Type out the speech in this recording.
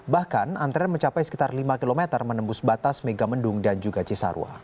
bahkan antrean mencapai sekitar lima km menembus batas megamendung dan juga cisarua